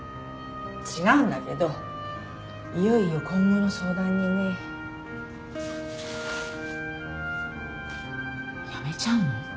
違うんだけどいよいよ今後の相談にね。辞めちゃうの？